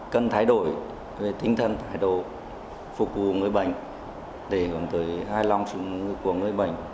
cần thay đổi về tinh thần thay đổi phục vụ người bệnh để có thể hài lòng của người bệnh